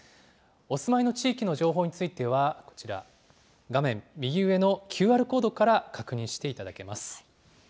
お住まいの地域の情報についてはこちら、画面右上のＱＲコードから確認していただけます。